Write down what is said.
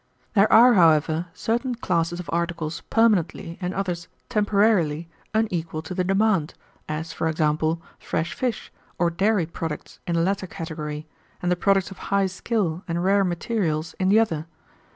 There are, however, certain classes of articles permanently, and others temporarily, unequal to the demand, as, for example, fresh fish or dairy products in the latter category, and the products of high skill and rare materials in the other.